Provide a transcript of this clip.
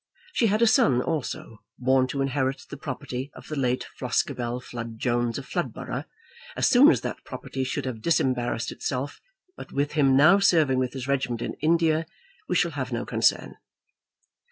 She had a son also, born to inherit the property of the late Floscabel Flood Jones of Floodborough, as soon as that property should have disembarrassed itself; but with him, now serving with his regiment in India, we shall have no concern.